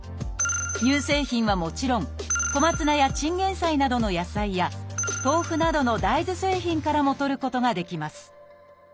乳製品はもちろんコマツナやチンゲイサイなどの野菜や豆腐などの大豆製品からもとることができます